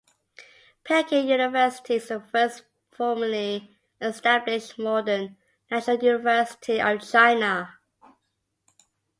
Peking University is the first formally established modern national university of China.